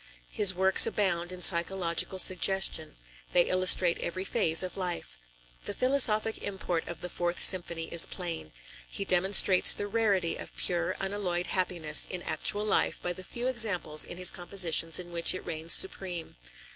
His works abound in psychological suggestion; they illustrate every phase of life. The philosophic import of the Fourth Symphony is plain. He demonstrates the rarity of pure unalloyed happiness in actual life by the few examples in his compositions in which it reigns supreme.